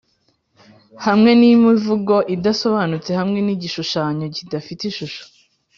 hamwe nimivugo idasobanutse hamwe nigishushanyo kidafite ishusho dec'd,